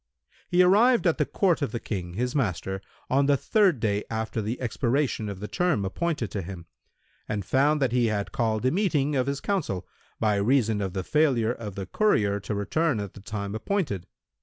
He arrived at the court of the King, his master, on the third day after the expiration of the term appointed to him, and found that he had called a meeting of his council, by reason of the failure of the courier to return at the time appointed.